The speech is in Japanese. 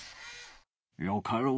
よかろう。